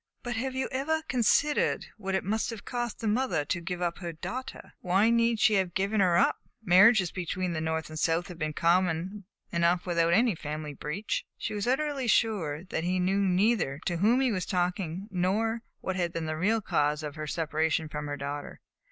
"But have you ever considered what it must have cost the mother to give up her daughter?" "Why need she have given her up? Marriages between the North and the South have been common enough without any family breach." She was utterly sure that he knew neither to whom he was talking nor what had been the real cause of her separation from her daughter.